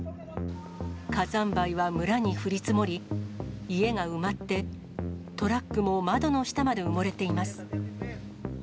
火山灰は村に降り積もり、家が埋まって、トラックも窓の下まで埋もれています。